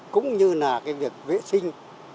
cũng như là cái việc vệ sinh